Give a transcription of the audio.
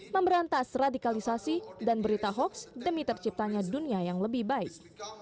memberantas radikalisasi dan berita hoax demi terciptanya dunia yang lebih baik